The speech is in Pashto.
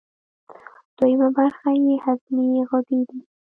دویمه برخه یې هضمي غدې دي.